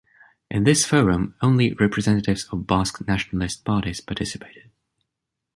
In this forum only representatives of Basque nationalist parties participated.